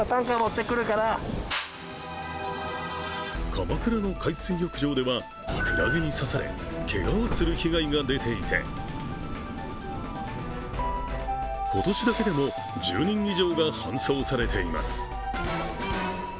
鎌倉の海水浴場では、クラゲに刺されけがをする被害が出ていて今年だけでも１０人以上が搬送されています。